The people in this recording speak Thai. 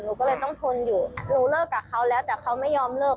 หนูก็เลยต้องทนอยู่หนูเลิกกับเขาแล้วแต่เขาไม่ยอมเลิก